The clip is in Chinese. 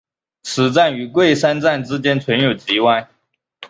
此站与桂山站之间存有急弯。